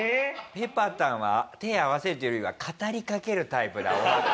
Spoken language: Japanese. ぺぱたんは手合わせるというよりは語りかけるタイプだお墓に。